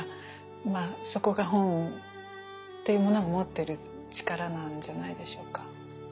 まあそこが本というものが持ってる力なんじゃないでしょうか。